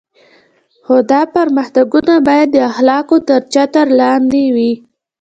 خو دا پرمختګونه باید د اخلاقو تر چتر لاندې وي.